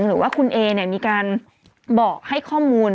หรือว่าคุณเอมีการบอกให้ข้อมูล